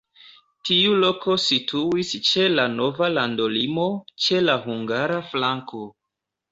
Tiu loko situis ĉe la nova landolimo, ĉe la hungara flanko.